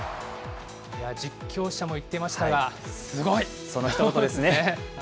実況者も言っていましたが、すごい！そのひと言ですね。